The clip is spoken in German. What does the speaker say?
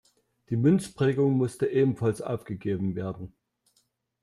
Die Münzprägung musste ebenfalls aufgegeben werden.